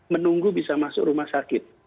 menunggu bisa masuk rumah sakit